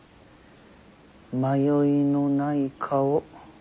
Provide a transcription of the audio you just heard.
迷いのない顔。